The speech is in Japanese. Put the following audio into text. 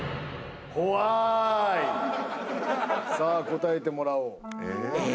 ほわいさあ答えてもらおうえ？